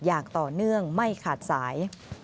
อย่างต่อเนื่องไม่ขาดสาย